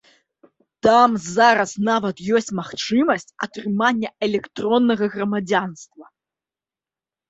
Там зараз нават ёсць магчымасць атрымання электроннага грамадзянства.